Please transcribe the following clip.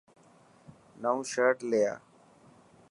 نئون شرٽ لي آءِ.